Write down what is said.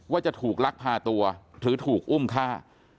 ว่าจะถูกลักพาตัวหรือถูกอุ้มฆ่า